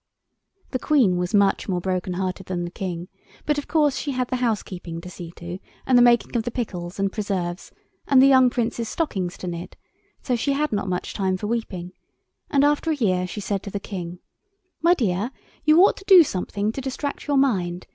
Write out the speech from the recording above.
The Queen was much more broken hearted than the King, but of course she had the housekeeping to see to and the making of the pickles and preserves and the young Prince's stockings to knit, so she had not much time for weeping, and after a year she said to the King— "My dear, you ought to do something to distract your mind.